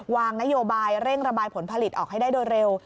วางนโยบายเร่งระบายผลผลิตออกให้ได้โดยเร็ว